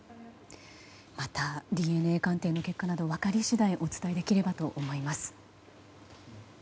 また、ＤＮＡ鑑定の結果など、分かり次第お伝えできればと思います。